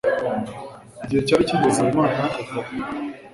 igihe cyari kigeze habimana ava aho